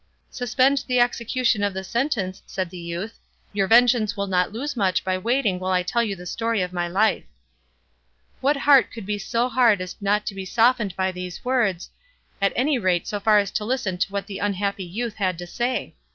"Suspend the execution of the sentence," said the youth; "your vengeance will not lose much by waiting while I tell you the story of my life." What heart could be so hard as not to be softened by these words, at any rate so far as to listen to what the unhappy youth had to say?